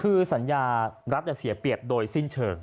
คือสัญญารัฐจะเสียเปรียบโดยสิ้นเชิง